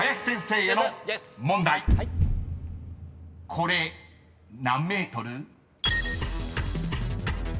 ［これ何ｍ？］